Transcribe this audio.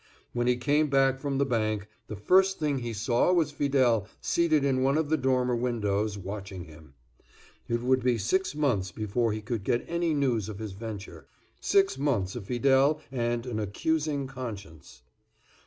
When he came back from the bank, the first thing he saw was Fidele seated in one of the dormer windows, watching him. It would be six months before he could get any news of his venture; six months of Fidele and an accusing conscience.